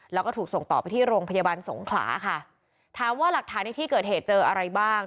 แล้วก็ถูกส่งต่อไปที่โรงพยาบาลสงขลาค่ะถามว่าหลักฐานในที่เกิดเหตุเจออะไรบ้าง